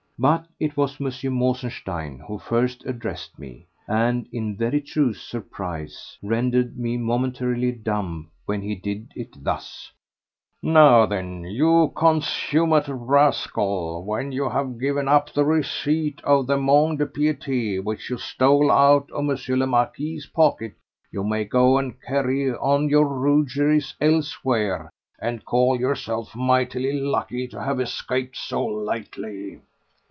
But it was M. Mosenstein who first addressed me, and in very truth surprise rendered me momentarily dumb when he did it thus: "Now then, you consummate rascal, when you have given up the receipt of the Mont de Piété which you stole out of M. le Marquis's pocket you may go and carry on your rogueries elsewhere and call yourself mightily lucky to have escaped so lightly."